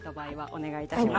お願いいたします。